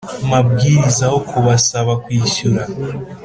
Mabwiriza aho kubasaba kwishyura